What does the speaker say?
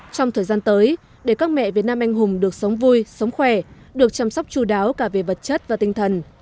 trong thời gian tới để các mẹ việt nam anh hùng được sống vui sống khỏe được chăm sóc chú đáo cả về vật chất và tinh thần